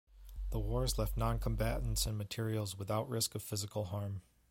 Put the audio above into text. The wars left noncombatants and materials without risk of physical harm.